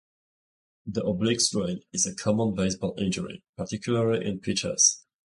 The "oblique strain" is a common baseball injury, particularly in pitchers.